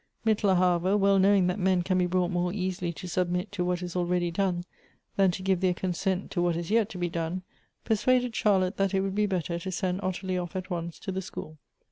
Mittler, however, well knowing that men can be brought more easily to submit to what is already done, than to give their consent to what is yet to be done, persuaded Charlotte that it would be better to send Ottilie off at once to the school.